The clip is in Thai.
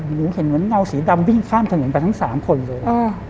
หนูเห็นเหมือนเงาสีดำวิ่งข้ามถนนไปทั้ง๓คนเลย